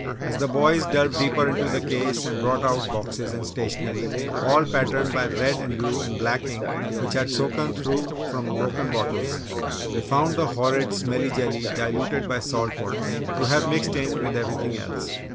As the boys delved deeper into the case and brought out boxes and stationery all patterned by red and blue and black ink which had soaken through from broken bottles, they found the horrid smelly jelly diluted by salt water, to have mixed in with everything else.